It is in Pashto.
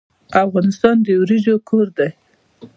افغانستان د وریجو کور دی.